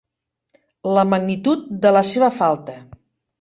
La magnitud de la seva falta.